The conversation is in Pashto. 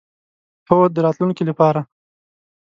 هو، د راتلونکی لپاره